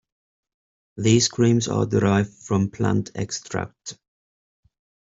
These creams are derived from plant extract.